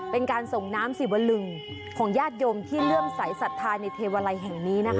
เป็นการส่งน้ำสิวลึงของญาติโยมที่เลื่อมใสสัทธาในเทวาลัยแห่งนี้นะคะ